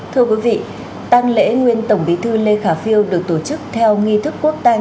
thưa quý vị tăng lễ nguyên tổng bí thư lê khả phiêu được tổ chức theo nghi thức quốc tang